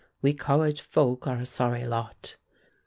"We college folk are a sorry lot."